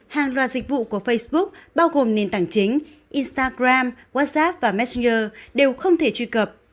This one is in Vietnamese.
hàng loạt dịch vụ của facebook bao gồm nền tảng chính instagram whatsapp và messeer đều không thể truy cập